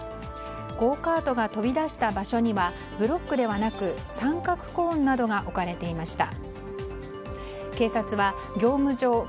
ゴーカートが飛び出した場所にはブロックではなく三角コーンなどが置かれていました。